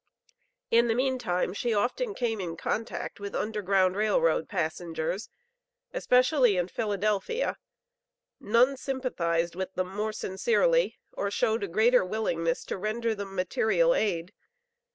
In the meantime she often came in contact with Underground Rail Road passengers, especially in Philadelphia. None sympathized with them more sincerely or showed a greater willingness to render them material aid.